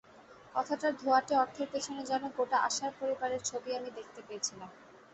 কথাটার ধোঁয়াটে অর্থের পেছনে যেন গোটা আশার পরিবারের ছবি আমি দেখতে পেয়েছিলাম।